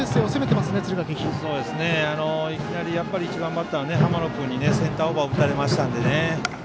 いきなり、１番バッターの浜野君にセンターオーバー打たれたので。